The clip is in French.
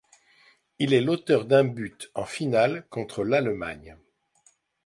Il est l'auteur d'un but en finale contre l'Allemagne.